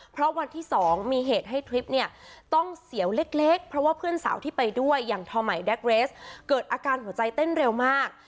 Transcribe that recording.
เพราะวันที่๒มีเหตุให้ทริปเนี่ยต้องเสียวเล็กเพราะว่าเพื่อนสาวที่ไปด้วยอย่างทอใหม่แก๊กเรสเกิดอาการหัวใจเต้นเร็วมาก